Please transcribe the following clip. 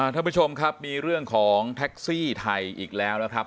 ท่านผู้ชมครับมีเรื่องของแท็กซี่ไทยอีกแล้วนะครับ